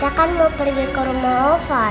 kita kan mau pergi ke rumah ofan